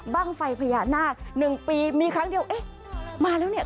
บ้างไฟพญานาค๑ปีมีครั้งเดียวเอ๊ะมาแล้วเนี่ย